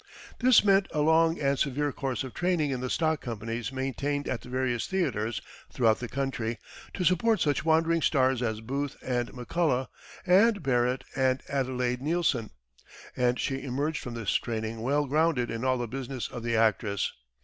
This meant a long and severe course of training in the stock companies maintained at the various theatres throughout the country to support such wandering stars as Booth and McCullough, and Barrett, and Adelaide Neilson, and she emerged from this training well grounded in all the business of the actress.